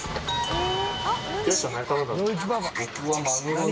へえ。